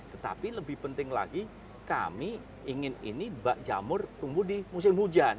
tetapi lebih penting lagi kami ingin ini bak jamur tumbuh di musim hujan